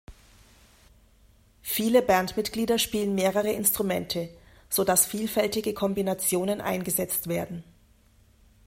Viele Bandmitglieder spielen mehrere Instrumente, so dass vielfältige Kombinationen eingesetzt werden.